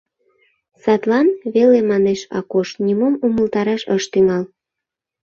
— Садлан, — веле мане Акош, нимом умылтараш ыш тӱҥал.